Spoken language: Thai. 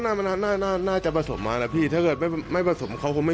มันไม่หลอนพี่มันเมา